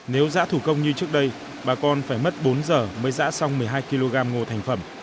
nếu giã thủ công như trước đây bà con phải mất bốn giờ mới giã xong một mươi hai kg ngô thành phẩm